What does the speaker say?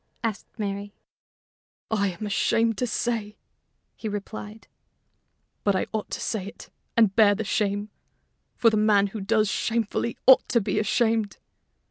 asked Mary. "I am ashamed to say," he replied, "but I ought to say it and bear the shame, for the man who does shamefully ought to be ashamed.